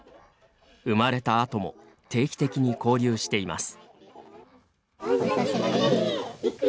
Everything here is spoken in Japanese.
生まれた後も定期的に交流しています。